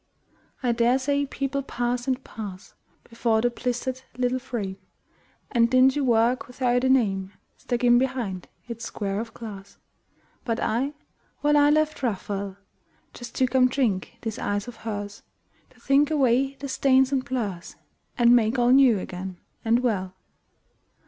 I dare say people pass and pass Before the blistered little frame, And dingy work without a name Stuck in behind its square of glass. But I, well, I left Raphael Just to come drink these eyes of hers, To think away the stains and blurs And make all new again and well.